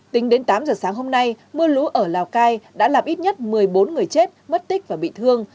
tính đến tám giờ sáng hôm nay mưa lũ ở lào cai đã làm ít nhất một mươi bốn người chết mất tích và bị thương